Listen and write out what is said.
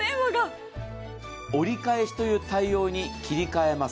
折り返しという対応に切り替えます。